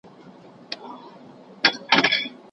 بالاحصار وسوځول شو